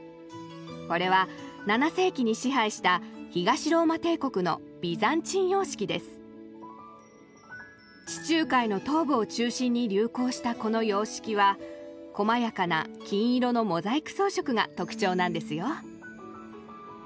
これは７世紀に支配した東ローマ帝国の地中海の東部を中心に流行したこの様式はこまやかな金色のモザイク装飾が特徴なんですよ。